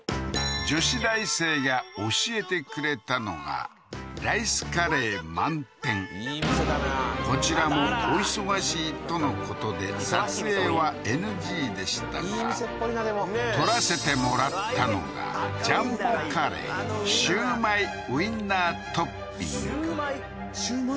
女子大生が教えてくれたのがこちらもお忙しいとのことで撮影はＮＧでしたがいい店っぽいなでも撮らせてもらったのがジャンボカレーシュウマイ・ウインナートッピングシュウマイ？